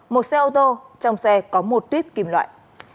một xe ô tô trong xe có một tuyếp kim loại